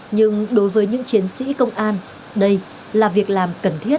nhưng đối với những chiến sĩ công an đây là việc làm cần thiết